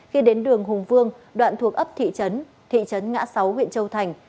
khi đến đường hùng vương đoạn thuộc ấp thị trấn thị trấn ngã sáu huyện châu thành